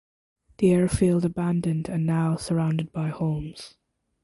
The airfield abandoned and now surrounded by homes.